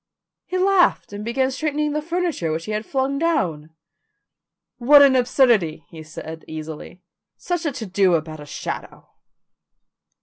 He laughed and began straightening the furniture which he had flung down. "What an absurdity," he said easily. "Such a to do about a shadow."